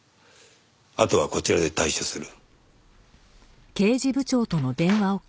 あとはこちらで対処する。